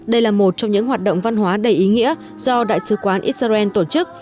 đây là một trong những hoạt động văn hóa đầy ý nghĩa do đại sứ quán israel tổ chức